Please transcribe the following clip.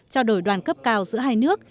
trao đổi đoàn cấp cao giữa hai nước